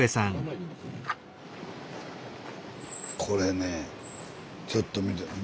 これねえちょっと見て。